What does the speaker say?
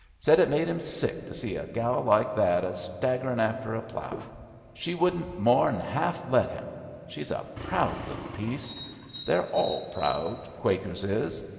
Said it made him sick to see a gal like that a staggerin' after a plough. She wouldn't more 'n half let him. She's a proud little piece. They're all proud, Quakers is.